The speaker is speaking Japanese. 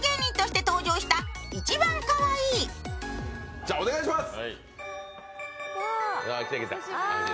じゃお願いします。